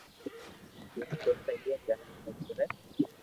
ايم تو سھي ھي جڻي سھي ڪري